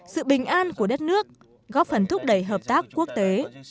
sự bình an của đất nước góp phần thúc đẩy hợp tác quốc tế